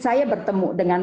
saya bertemu dengan